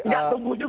gak tunggu juga